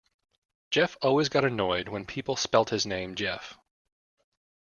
Geoff always got annoyed when people spelt his name Jeff.